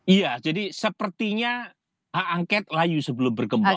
iya jadi sepertinya hak angket layu sebelum berkembang